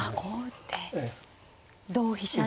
同飛車に。